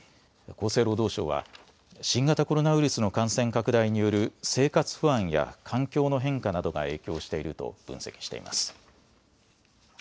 厚生労働省は新型コロナウイルスの感染拡大による生活不安や環境の変化などが影響していると分析しています。